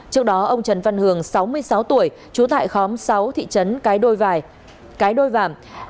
trước đó ông trần văn hường sáu mươi sáu tuổi chú tại khóm sáu thị trấn cái đôi vảm